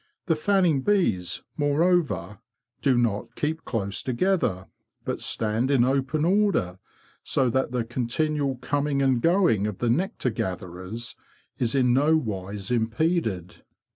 The fanning bees, moreover, do not keep close together, but stand in open order, so that the continual coming and going of the nectar gatherers is in no wise impeded.